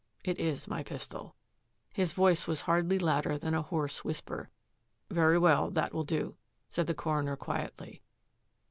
" It is my pistol." His voice was hardly louder than a hoarse whisper. " Very well. That will do," said the coroner quietly.